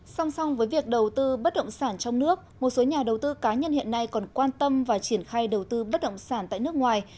song song với việc đầu tư bất động sản trong nước một số nhà đầu tư cá nhân hiện nay còn quan tâm và triển khai đầu tư bất động sản tại nước ngoài